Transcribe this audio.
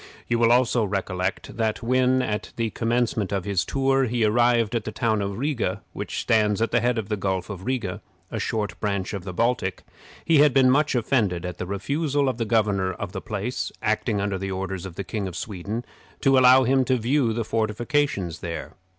You will also recollect that when, at the commencement of his tour, he arrived at the town of Riga, which stands at the head of the Gulf of Riga, a sort of branch of the Baltic, he had been much offended at the refusal of the governor of the place, acting under the orders of the King of Sweden, to allow him to view the fortifications there.